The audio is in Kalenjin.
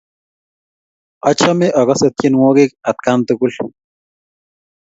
Achame akase tyenwogik atkan tukul